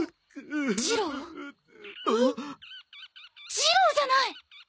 ジローじゃない！